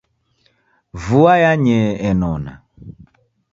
Vua yanyee enona.